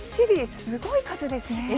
すごい数ですね。